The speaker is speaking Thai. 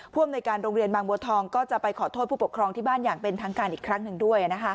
อำนวยการโรงเรียนบางบัวทองก็จะไปขอโทษผู้ปกครองที่บ้านอย่างเป็นทางการอีกครั้งหนึ่งด้วย